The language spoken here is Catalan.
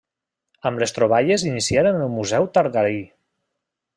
Amb les troballes iniciaren el museu targarí.